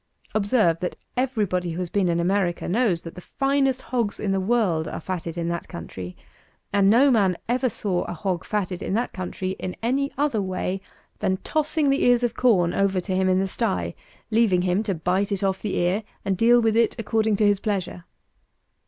Observe that everybody who has been in America knows, that the finest hogs in the world are fatted in that country; and no man ever saw a hog fatted in that country in any other way than tossing the ears of corn over to him in the sty, leaving him to bite it off the ear, and deal with it according to his pleasure.